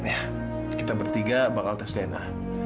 ya kita bertiga bakal tes dna